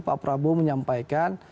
pak prabowo menyampaikan